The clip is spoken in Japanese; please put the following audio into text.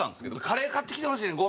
「カレー買ってきてほしいねん。